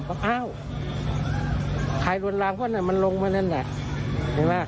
บอกอ้าวใครรวดลามมันลงมานั่น